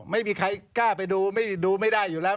ไม่มีใครกล้าไปดูดูไม่ได้อยู่แล้ว